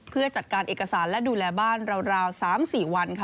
เพื่อจัดการเอกสารและดูแลบ้านราว๓๔วัน